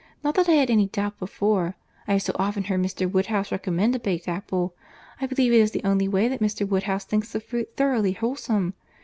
Not that I had any doubt before—I have so often heard Mr. Woodhouse recommend a baked apple. I believe it is the only way that Mr. Woodhouse thinks the fruit thoroughly wholesome.